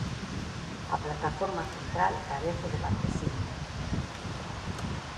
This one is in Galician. A plataforma central carece de marquesiña.